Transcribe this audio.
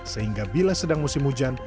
sehingga bila sedang musim hujan